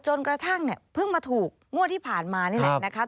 จนกระทั่งเนี่ยเพิ่งมาถูกงวดที่ผ่านมานี่แหละนะคะ